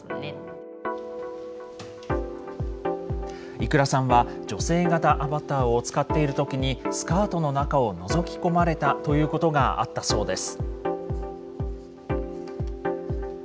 育良さんは女性型アバターを使っているときに、スカートの中をのぞき込まれたということがあったそうです。